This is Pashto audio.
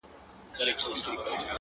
ما به ولي کاروانونه لوټولاى،